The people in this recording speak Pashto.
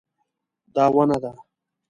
دا ونه ده